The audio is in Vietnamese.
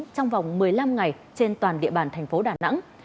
trong vòng một mươi năm ngày trên toàn địa bàn thành phố đà nẵng